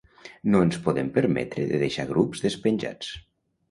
No ens podem permetre de deixar grups despenjats.